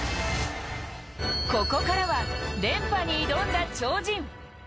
ここからは連覇に挑んだ超人。